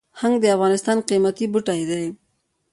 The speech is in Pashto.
هنګ د افغانستان قیمتي بوټی دی